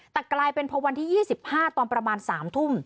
แต่กลายเป็นพอวันที่๒๕ตอนประมาณ๓ทุ่ม